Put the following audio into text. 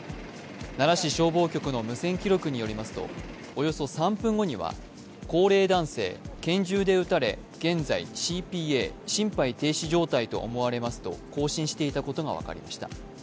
奈良市消防局の無銭記録によりますとおよそ３分後には高齢男性、拳銃で撃たれ、現在、ＣＰＡ、心肺停止状態と思われると交信していたことが分かりました。